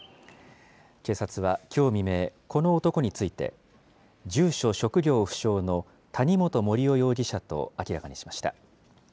警察はきょう未明、この男について、住所職業不詳の谷本盛雄容疑者と明らかにしました。